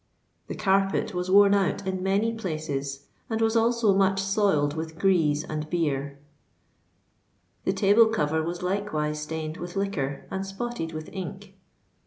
The carpet was worn out in many places, and was also much soiled with grease and beer: the table cover was likewise stained with liquor and spotted with ink.